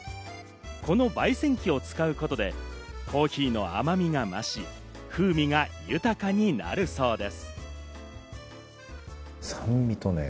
この焙煎機を使うことでコーヒーの甘みが増し、風味が豊かになるそうです。